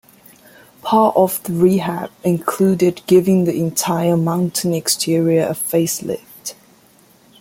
Part of the rehab included giving the entire mountain exterior a face lift.